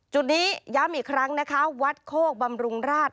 จุดนี้ย้ำอีกครั้งนะคะวัดโคกบำรุงราช